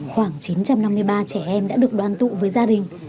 khoảng chín trăm năm mươi ba trẻ em đã được đoàn tụ với gia đình